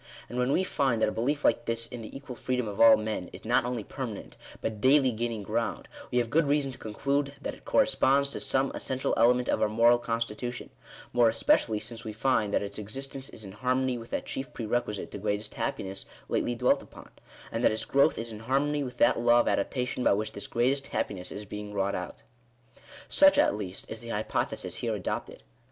93 And when we find that a belief like this in the equal freedom of all men, is not only permanent, but daily gaining ground, we have good reason to conclude that it corresponds to some essential element of our moral constitution : more especially since we find that its existence is in harmony with that chief pre requisite to greatest happiness lately dwelt upon ; and that its growth is in harmony with that law of adaptation by which this greatest happiness is being wrought out. Such, at least, is the hypothesis here adopted.